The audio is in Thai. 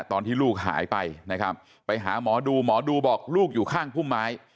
ตอนที่ลูกหายไปนะครับไปหาหมอดูหมอดูบอกลูกอยู่ข้างพุ่มไม้